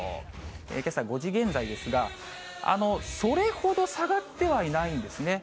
けさ５時現在ですが、それほど下がってはいないんですね。